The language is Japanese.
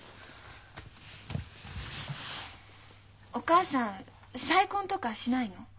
お母さん再婚とかしないの？